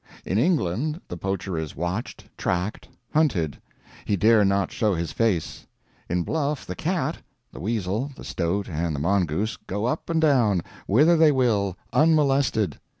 In England the poacher is watched, tracked, hunted he dare not show his face; in Bluff the cat, the weasel, the stoat, and the mongoose go up and down, whither they will, unmolested.